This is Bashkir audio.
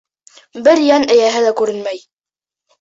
Бер йән эйәһе лә күренмәй.